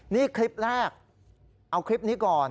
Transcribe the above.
นี่คลิปแรกเอาคลิปนี้ก่อน